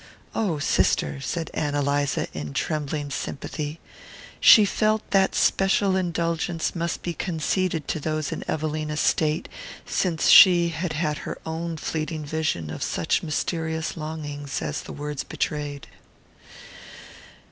"Oh, sister," said Ann Eliza, in trembling sympathy. She felt that special indulgence must be conceded to those in Evelina's state since she had had her own fleeting vision of such mysterious longings as the words betrayed.